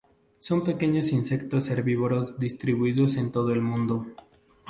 Son pequeños insectos herbívoros distribuidos en todo el mundo.